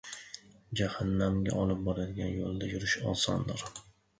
• Jahannamga olib boradigan yo‘lda yurish osondir.